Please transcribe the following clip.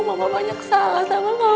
mama banyak salah sama mama